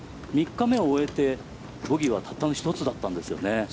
３日目を終えて、ボギーはたったの１つだったんですよね。